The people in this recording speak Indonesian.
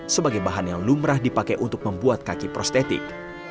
sebagai bahan yang lumrah dipakai untuk membuat kaki prostetik